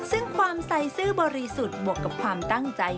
ซึ่งความใส่ซื่อบริสุทธิ์บวกกับความตั้งใจ